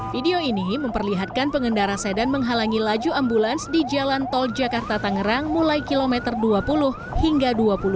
video ini memperlihatkan pengendara sedan menghalangi laju ambulans di jalan tol jakarta tangerang mulai kilometer dua puluh hingga dua puluh dua